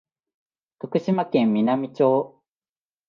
徳島県美波町